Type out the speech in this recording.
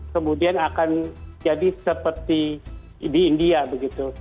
kemudian akan jadi seperti di india begitu